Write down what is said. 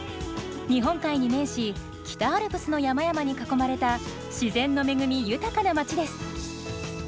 日本海に面し北アルプスの山々に囲まれた自然の恵み豊かな街です。